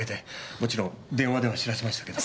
もちろん電話では知らせましたけど。